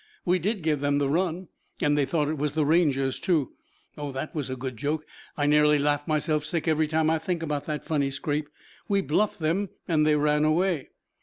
"We did give them the run. And they thought it was the Rangers too. Oh, that was a good joke. I nearly laugh myself sick every time I think about that funny scrape. We bluffed them and they ran away."